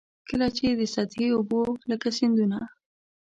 کله چي د سطحي اوبو لکه سیندونه.